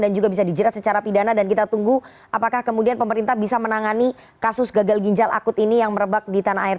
dan juga bisa dijerat secara pidana dan kita tunggu apakah kemudian pemerintah bisa menangani kasus gagal ginjal akut ini yang merebak di tanah air